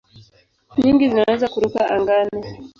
Nyingi zinaweza kuruka angani.